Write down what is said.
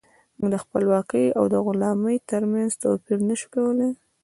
موږ د خپلواکۍ او غلامۍ ترمنځ توپير نشو کولی.